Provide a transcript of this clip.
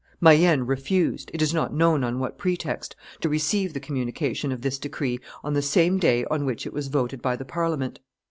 Mayenne refused, it is not known on what pretext, to receive the communication of this decree on the same day on which it was voted by the Parliament.